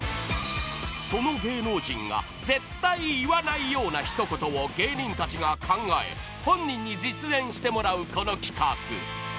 ［その芸能人が絶対言わないような一言を芸人たちが考え本人に実演してもらうこの企画］